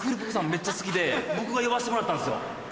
めっちゃ好きで僕が呼ばしてもらったんすよ。